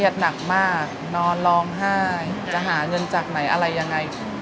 หนักมากนอนร้องไห้จะหาเงินจากไหนอะไรยังไง